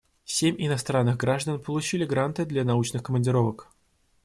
Семь иностранных граждан получили гранты для научных командировок.